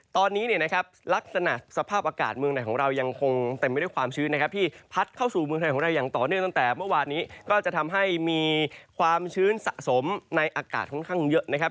แต่เมื่อวานนี้ก็จะทำให้มีความชื้นสะสมในอากาศค่อนข้างเยอะนะครับ